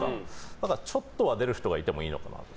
だからちょっとは出る人がいてもいいのかなって。